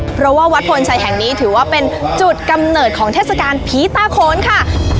เพราะว่าวัดพลชัยแห่งนี้ถือว่าเป็นจุดกำเนิดของเทศกาลผีตาโขนค่ะ